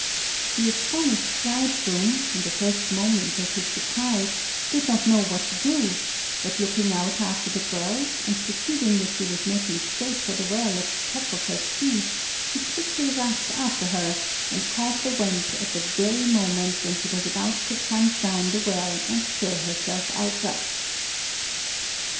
The astonished bridegroom, in the first moment of his surprise, did not know what to do, but looking out after the girl, and perceiving that she was making straight for the well at the top of her speed, he quickly rushed after her, and caught the wench at the very moment when she was about to plunge down the well and kill herself outright.